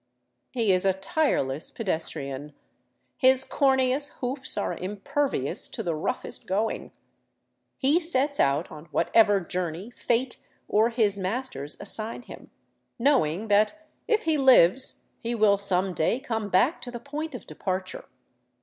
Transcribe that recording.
He is a tireless pedestrian; his corneous hoofs are impervious to the roughest going; he sets out on whatever journey fate or his masters assign him, knowing that if he lives he will some day come back to the point of departure.